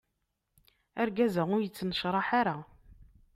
Argaz-a ur ittnecraḥ ara.